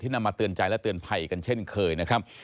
นำมาเตือนใจและเตือนภัยกันเช่นเคยนะครับ